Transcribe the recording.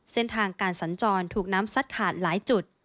เส้นทางการสัญจรถูกน้ำซัดขาดหลายจุด